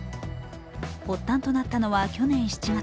発端となったのは去年７月。